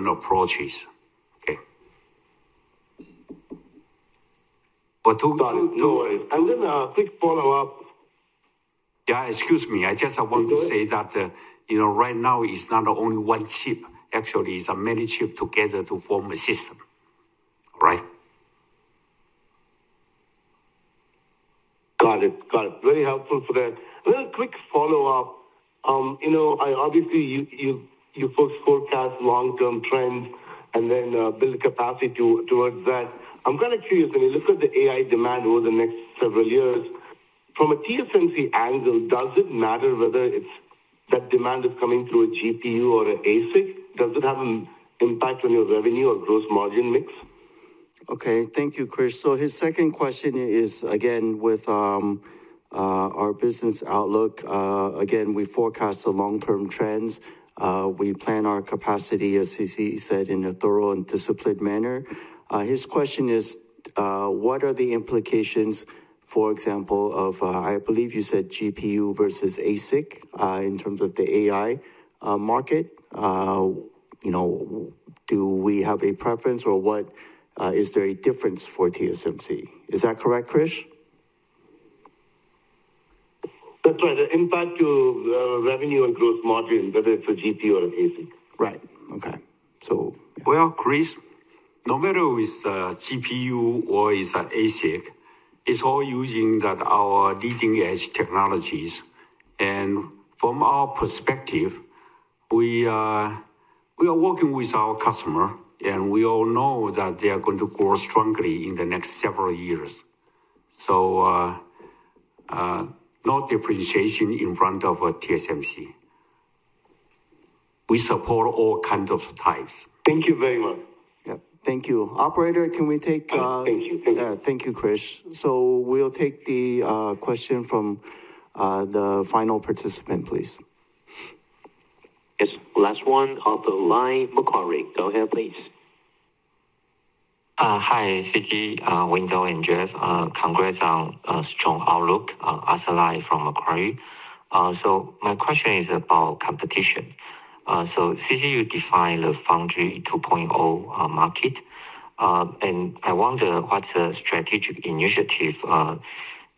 [SPEAKER 3] approaches. Okay?
[SPEAKER 10] No worries. A quick follow-up.
[SPEAKER 3] Excuse me. I just want to say that you know right now it's not only one chip. Actually, it's many chips together to form a system. All right?
[SPEAKER 10] Got it. Very helpful for that. A little quick follow-up. You know, obviously, you folks forecast long-term trends and then build capacity towards that. I'm kind of curious, when you look at the AI demand over the next several years, from a TSMC angle, does it matter whether that demand is coming through a GPU or an ASIC? Does it have an impact on your revenue or gross margin mix?
[SPEAKER 1] Thank you, Krish. His second question is, again, with our business outlook. We forecast the long-term trends. We plan our capacity, as C.C. said, in a thorough and disciplined manner. His question is, what are the implications, for example, of, I believe you said GPU versus ASIC in terms of the AI market? Do we have a preference or is there a difference for TSMC? Is that correct, Krish?
[SPEAKER 10] That's right. The impact to revenue and gross margin, whether it's a GPU or an ASIC.
[SPEAKER 1] Right. Okay.
[SPEAKER 3] Krish, no matter if it's a GPU or it's an ASIC, it's all using our leading-edge technologies. From our perspective, we are working with our customer, and we all know that they are going to grow strongly in the next several years. There is no differentiation in front of TSMC. We support all kinds of types.
[SPEAKER 10] Thank you very much.
[SPEAKER 1] Thank you. Operator, can we take?
[SPEAKER 10] Thank you.
[SPEAKER 1] Thank you, Krish. We'll take the question from the final participant, please.
[SPEAKER 4] Yes. Last one off the line, Macquarie. Go ahead, please.
[SPEAKER 11] Hi, C.C., Wendell, and Jeff. Congrats on a strong outlook. Asalai from Macquarie. My question is about competition. C.C., you define the Foundry 2.0 market. I wonder what's the strategic initiative that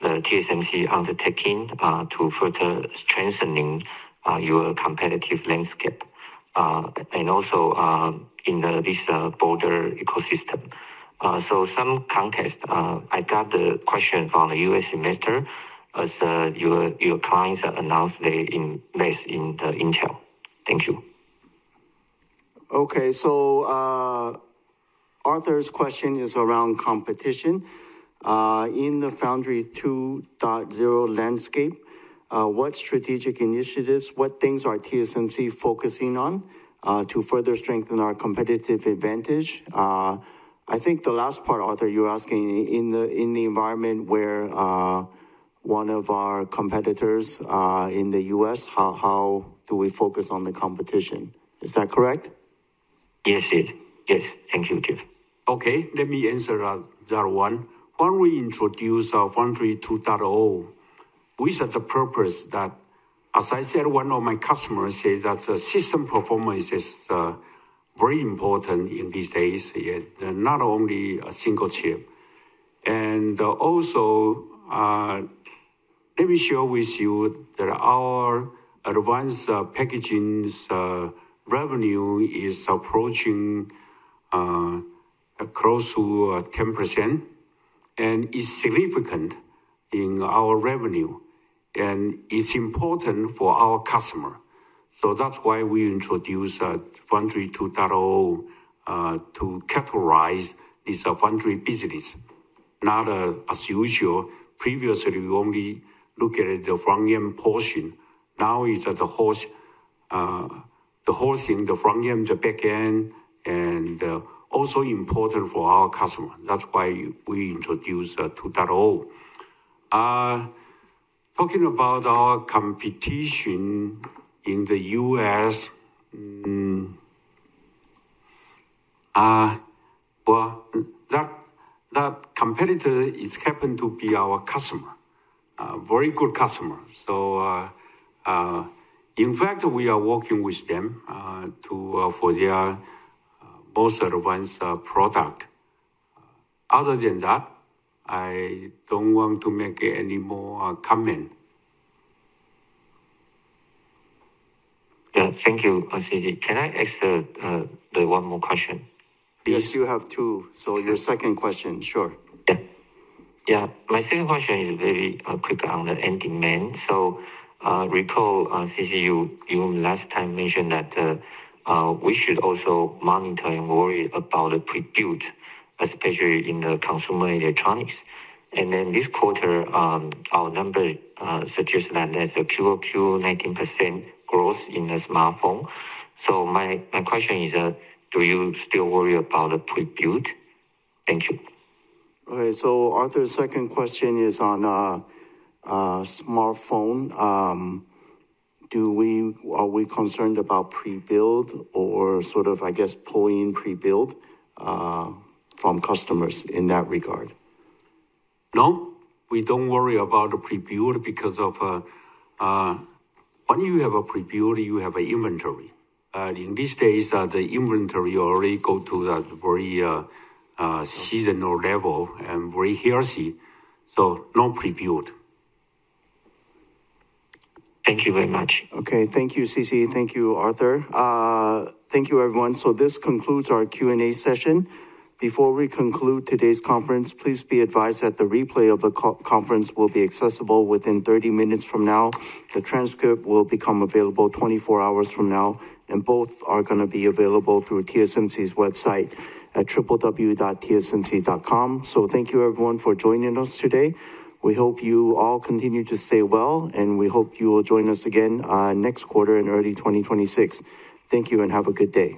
[SPEAKER 11] TSMC is undertaking to further strengthen your competitive landscape and also in this broader ecosystem? For some context, I got the question from the U.S. investor as your clients announced they invest in Intel. Thank you.
[SPEAKER 1] Okay. Arthur's question is around competition. In the Foundry 2.0 landscape, what strategic initiatives, what things are TSMC focusing on to further strengthen our competitive advantage? I think the last part, Arthur, you're asking in the environment where one of our competitors in the U.S., how do we focus on the competition? Is that correct?
[SPEAKER 11] Yes. Thank you, Jeff.
[SPEAKER 3] Okay. Let me answer that one. When we introduce Foundry 2.0, we set the purpose that, as I said, one of my customers said that the system performance is very important in these days, not only a single chip. Also, let me share with you that our advanced packaging revenue is approaching close to 10%. It's significant in our revenue, and it's important for our customer. That's why we introduce Foundry 2.0 to categorize this foundry business, not as usual. Previously, we only looked at the front-end portion. Now it's the whole thing, the front-end, the back-end, and also important for our customer. That's why we introduce 2.0. Talking about our competition in the U.S., that competitor happens to be our customer, a very good customer. In fact, we are working with them for their most advanced product. Other than that, I don't want to make any more comments.
[SPEAKER 11] Yeah. Thank you, C.C. Can I ask one more question?
[SPEAKER 1] Yes, you have two. Your second question, sure.
[SPEAKER 11] Yeah. My second question is very quick on the end demand. Recall, C.C., you last time mentioned that we should also monitor and worry about the prebuilt, especially in the consumer electronics. This quarter, our numbers suggest that there's a QoQ 19% growth in the smartphone. My question is, do you still worry about the prebuilt? Thank you.
[SPEAKER 1] Okay. Arthur, the second question is on smartphone. Are we concerned about prebuilt or sort of, I guess, pulling prebuilt from customers in that regard?
[SPEAKER 3] No. We don't worry about the prebuilt because when you have a prebuilt, you have an inventory. These days, the inventory already goes to the very seasonal level and very healthy. So no prebuilt.
[SPEAKER 11] Thank you very much.
[SPEAKER 1] Okay. Thank you, C.C. Thank you, Arthur. Thank you, everyone. This concludes our Q&A session. Before we conclude today's conference, please be advised that the replay of the conference will be accessible within 30 minutes from now. The transcript will become available 24 hours from now. Both are going to be available through TSMC's website at www.tsmc.com. Thank you, everyone, for joining us today. We hope you all continue to stay well, and we hope you will join us again next quarter in early 2026. Thank you and have a good day.